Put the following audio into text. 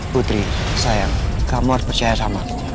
putri sayang kamu harus percaya sama